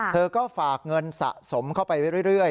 เธอก็ฝากเงินสะสมเข้าไปเรื่อย